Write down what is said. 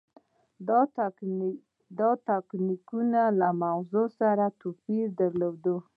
دا تکتیکونه له مغز سره توپیر درلود.